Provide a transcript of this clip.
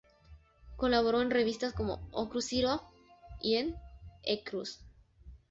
Colaboró en revistas como "O Cruzeiro" y en "A Cruz".